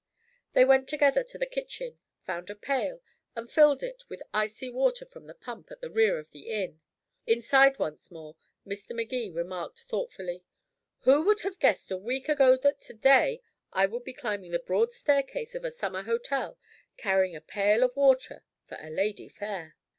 They went together to the kitchen, found a pail, and filled it with icy water from the pump at the rear of the inn. Inside once more, Mr. Magee remarked thoughtfully: "Who would have guessed a week ago that to day I would be climbing the broad staircase of a summer hotel carrying a pail of water for a lady fair?"